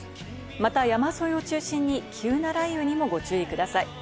また山沿いを中心に急な雷雨にもご注意ください。